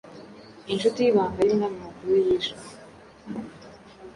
Inshuti yibanga yUmwami Mukuru Yishwe